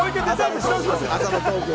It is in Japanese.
朝のトークを。